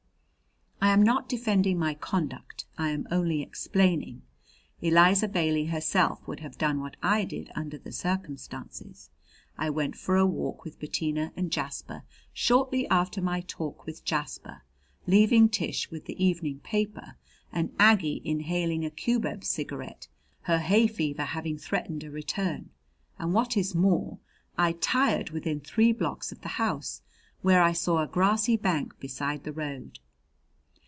I am not defending my conduct; I am only explaining. Eliza Bailey herself would have done what I did under the circumstances. I went for a walk with Bettina and Jasper shortly after my talk with Jasper, leaving Tish with the evening paper and Aggie inhaling a cubeb cigarette, her hay fever having threatened a return. And what is more, I tired within three blocks of the house, where I saw a grassy bank beside the road.